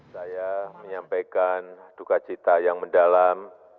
saya menyampaikan duka cita yang mendalam